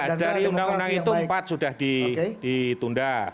dari undang undang itu empat sudah ditunda